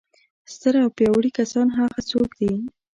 ستر او پیاوړي کسان هغه څوک دي.